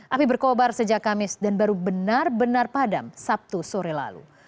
api berkobar sejak kamis dan baru benar benar padam sabtu sore lalu